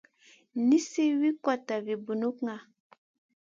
Nizi wi kotna vi bunukŋa.